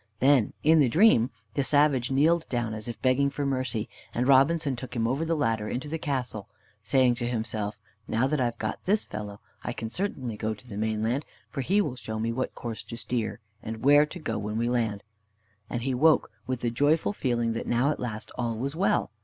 Then in the dream, the savage kneeled down, as if begging for mercy, and Robinson took him over the ladder into the castle, saying to himself, "Now that I've got this fellow, I can certainly go to the mainland, for he will show me what course to steer, and where to go when we land." And he woke, with the joyful feeling that now at last all was well.